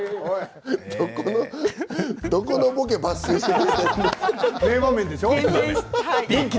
どこのボケ、抜粋してるの？